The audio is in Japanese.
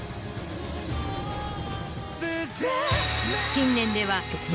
近年では。